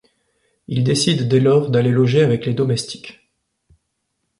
Il décide dès lors d'aller loger avec les domestiques.